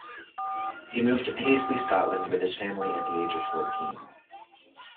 He moved to Paisley, Scotland, with his family at the age of fourteen.